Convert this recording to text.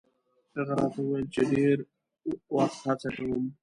هغه راته ویل چې ډېر وخت هڅه کوم.